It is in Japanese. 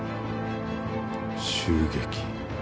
襲撃。